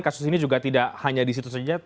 kasus ini juga tidak hanya disitu saja